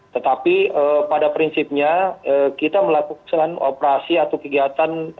tetapi pada prinsipnya kita melakukan operasi atau kegiatan